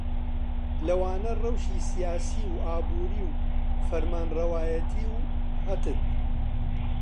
لەوانە ڕەوشی سیاسی و ئابووری و فەرمانڕەوایەتی و هتد